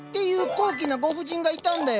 高貴なご夫人がいたんだよ。